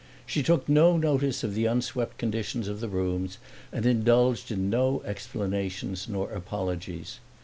She took no notice of the unswept condition of the rooms and indulged in no explanations nor apologies.